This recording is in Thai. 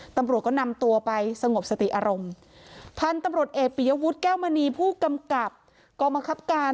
ตำรวจก็นำตัวไปสงบสติอารมณ์พันธุ์ตำรวจเอกปิยวุฒิแก้วมณีผู้กำกับกองบังคับการ